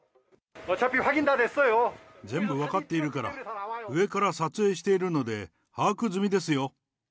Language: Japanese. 全部分かっているから、上から撮影しているので把握済みです